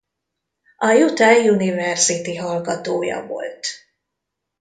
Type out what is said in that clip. A Utah University hallgatója volt.